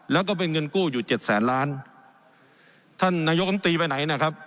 แล้วก็เป็นเงินกู้อยู่เจ็ดแสนล้านท่านนายกรรมตรีไปไหนนะครับ